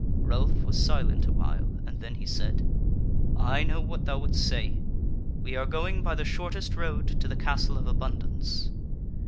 Ralph was silent a while, and then he said: "I know what thou wouldst say; we are going by the shortest road to the Castle of Abundance."